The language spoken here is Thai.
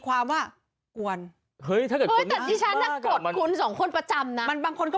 ความว่ากวนเฮ้ยถ้าเกิดคุณสองคนประจำน่ะมันบางคนก็